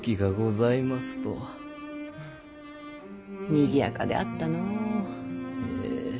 にぎやかであったのぅ。